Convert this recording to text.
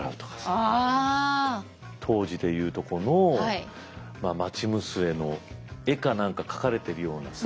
当時で言うとこの町娘の絵か何か描かれてるようなさ。